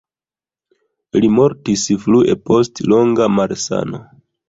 Li mortis frue post longa malsano.